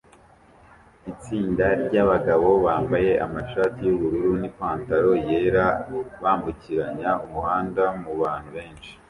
Itsinda ryabagabo bambaye amashati yubururu nipantaro yera bambukiranya umuhanda mubantu benshi